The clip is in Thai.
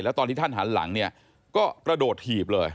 แล้วตอนที่ท่านหันหลังเนี่ยก็กระโดดถีบเลย